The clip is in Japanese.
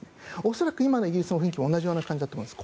恐らく今のイギリスの雰囲気も同じような感じだと思います。